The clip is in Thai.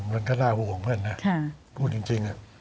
มันก็น่าห่วงกันนะพูดจริงน่ะ